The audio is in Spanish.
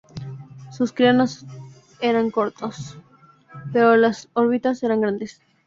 Sus cráneos eran cortos, pero las órbitas eran grandes.